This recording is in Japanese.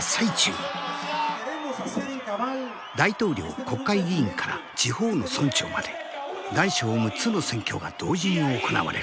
大統領国会議員から地方の村長まで大小６つの選挙が同時に行われる。